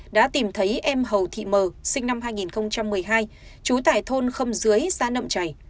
đã tìm thấy em hầu thị mờ sinh năm hai nghìn một mươi hai trú tại thôn khâm dưới xã nậm chảy